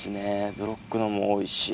ブロックのも多いし。